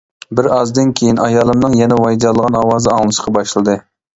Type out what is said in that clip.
بىر ئازدىن كېيىن، ئايالىمنىڭ يەنە ۋايجانلىغان ئاۋازى ئاڭلىنىشقا باشلىدى.